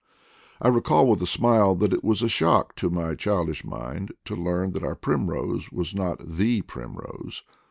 I re call with a smile that it was a shock to my child ish mind to learn that our primrose was not the primrose.